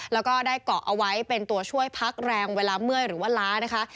แล้วก็ได้เกาะเอาไว้เป็นตัวช่วยพักแรงเวลาเมื่อยหรือว่าล้านะคะ